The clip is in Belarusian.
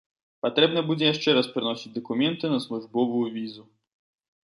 Патрэбна будзе яшчэ раз прыносіць дакументы на службовую візу.